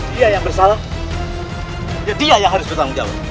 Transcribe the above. dia yang bersalah ya dia yang harus bertanggung jawab